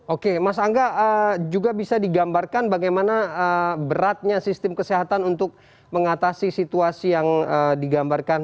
oke mas angga juga bisa digambarkan bagaimana beratnya sistem kesehatan untuk mengatasi situasi yang digambarkan